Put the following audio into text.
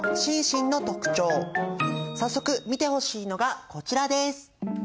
早速見てほしいのがこちらです。